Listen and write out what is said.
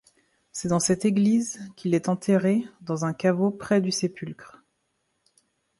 C'est dans cette église qu'il est enterré dans un caveau près du sépulcre.